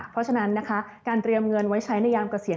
เพราะฉะนั้นนะคะการเตรียมเงินไว้ใช้ในยามเกษียณ